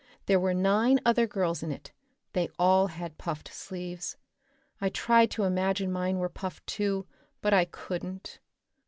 There were nine other girls in it. They all had puffed sleeves. I tried to imagine mine were puffed, too, but I couldn't.